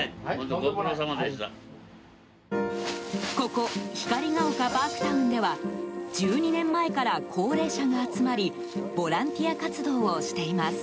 ここ光が丘パークタウンでは１２年前から高齢者が集まりボランティア活動をしています。